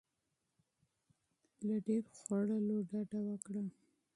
له ډیر خوړلو ډډه وکړئ.